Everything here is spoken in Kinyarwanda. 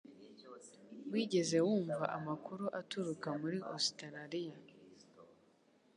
Wigeze wumva amakuru aturuka muri Ositaraliya?